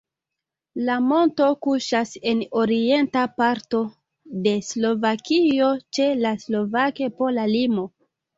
La monto kuŝas en orienta parto de Slovakio ĉe la slovak-pola limo.